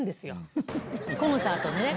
コンサートでね